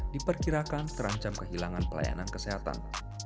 diperkirakan terancam kehilangan pelayanan kesehatan